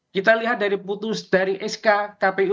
kita lihat dari putus dari sk kpu